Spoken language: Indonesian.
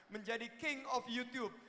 menjadi king of youtube